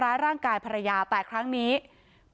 ไปโบกรถจักรยานยนต์ของชาวอายุขวบกว่าเองนะคะ